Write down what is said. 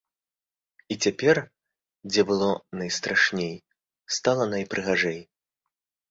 І цяпер, дзе было найстрашней, стала найпрыгажэй.